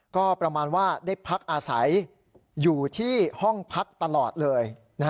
ก็ประมาณว่าได้พักอาศัยอยู่ที่ห้องพักตลอดเลย